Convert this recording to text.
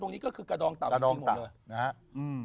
ตรงนี้ก็คือกระดองเต่าจริงหมดเลย